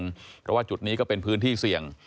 เพราะว่าจุดนี้ก็เป็นพื้นที่เสี่ยง